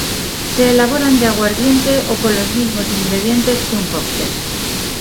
Se elaboran de aguardiente o con los mismos ingredientes que un cóctel.